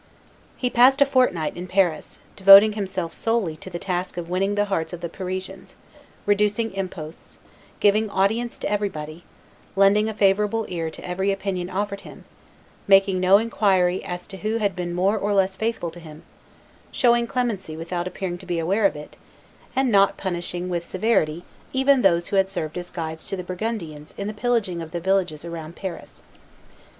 He passed a fortnight in Paris, devoting himself solely to the task of winning the hearts of the Parisians, reducing imposts, giving audience to everybody, lending a favorable ear to every opinion offered him, making no inquiry as to who had been more or less faithful to him, showing clemency without appearing to be aware of it, and not punishing with severity even those who had served as guides to the Burgundians in the pillaging of the villages around Paris.